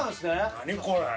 何これ。